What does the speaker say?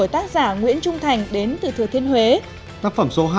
tác phẩm số hai